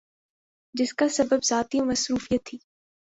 جس کا سبب ذاتی مصروفیت تھی ۔